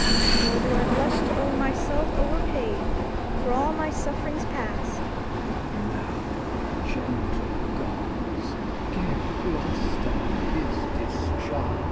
Nor do I blush to own my Self o'er paid For all my Suff'rings past. Glost. Now, gentle Gods, give Gloster his Discharge.